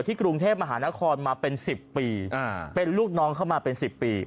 ที่กรุงเทพมหานครมาเป็นสิบปีอ่าเป็นลูกน้องเข้ามาเป็นสิบปี